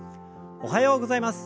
おはようございます。